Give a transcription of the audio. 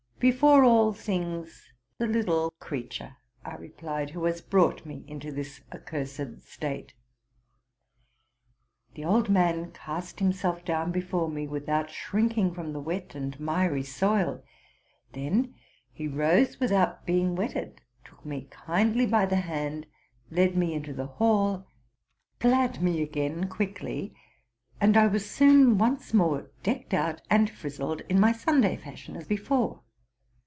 '+ Before all things, the little creature,'' I replied, '* who has brought me into this accursed state."" The old man cast himself down before me, without shrinking from the wet and miry soil: then he rose without being wetted, took me kindly by the hand, led me into the hall, clad me again quickly; and I was soon once more decked out and frizzled in my Sunday fashion as before.